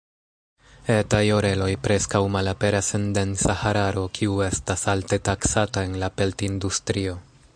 Etaj oreloj preskaŭ malaperas en densa hararo, kiu estas alte taksata en la pelt-industrio.